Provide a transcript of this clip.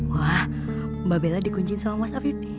wah mbak bella di kuncin sama mas alvif